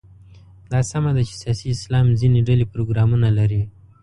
دا سمه ده چې سیاسي اسلام ځینې ډلې پروګرامونه لري.